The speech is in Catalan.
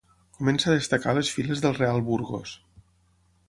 Comença a destacar a les files del Real Burgos.